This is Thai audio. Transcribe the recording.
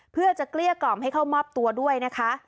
เพื่อจะเกลี้ยกล่อมให้เข้ามอบตัวด้วยนะคะ